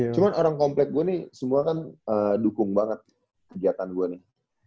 cuman orang komplek gua nih semua kan dukung banget kegiatan gua nih